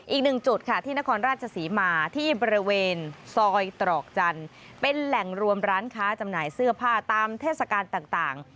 อีกหนึ่งจุดค่ะที่นครราชศรีมาที่บริเวณซอยตรอกจันทร์เป็นแหล่งรวมร้านค้าจำหน่ายเสื้อผ้าตามเทศกาลต่าง